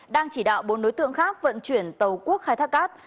đang chỉ đạo bốn nối tượng khác vận chuyển tàu quốc khai thác cát